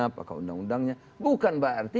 apakah undang undangnya bukan pak rt